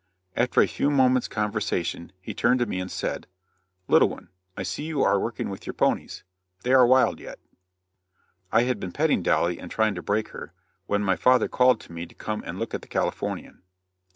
After a few moments conversation, he turned to me and said: "Little one, I see you are working with your ponies. They are wild yet." I had been petting Dolly and trying to break her, when my father called me to come and look at the Californian.